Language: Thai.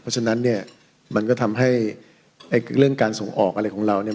เพราะฉะนั้นเนี่ยมันก็ทำให้เรื่องการส่งออกอะไรของเราเนี่ย